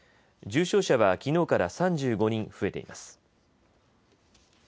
重症者はきのうから３５人増えています。